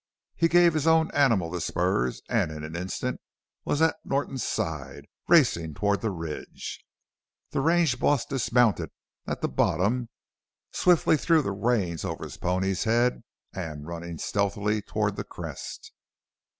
He gave his own animal the spurs and in an instant was at Norton's side, racing toward the ridge. The range boss dismounted at the bottom, swiftly threw the reins over his pony's head, and running stealthily toward the crest.